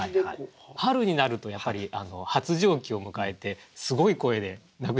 春になるとやっぱり発情期を迎えてすごい声で鳴くじゃないですか。